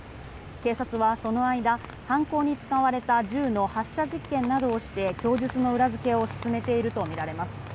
警察はその間犯行に使われた銃の発射実験などをして供述の裏付けを進めているとみられます。